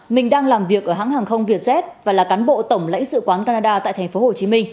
mình đang làm việc ở hãng hàng không vietjet và là cán bộ tổng lãnh sự quán canada tại tp hcm